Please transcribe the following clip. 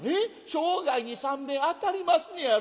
生涯に３べん当たりますねやろ。